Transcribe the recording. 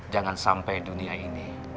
jangan sampai dunia ini